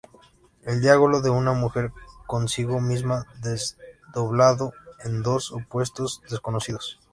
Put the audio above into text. El diálogo de una mujer consigo misma desdoblado en dos opuestos desconocidos.